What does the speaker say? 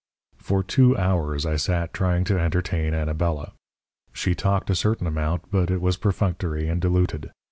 "For two hours I sat trying to entertain Anabela. She talked a certain amount, but it was perfunctory and diluted.